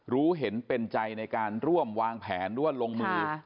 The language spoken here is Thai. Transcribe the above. รู้เห็นเป็นใจในการร่วมวางแผนหรือว่าลงมือ